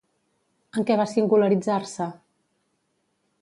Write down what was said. En què va singularitzar-se?